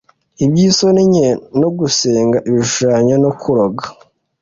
iby'isoni nke, no gusenga ibishushanyo, no kuroga